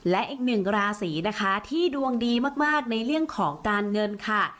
และอีกหนึ่งราศีนะคะที่ดวงดีมากในเรื่องของการเงินค่ะ